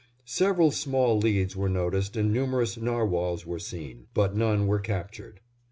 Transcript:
Several small leads were noticed and numerous narwhals were seen, but none were captured.